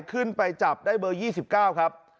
ขึ้นไปจับได้เบอร์๒๙ครับ